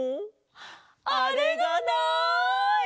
あれがない！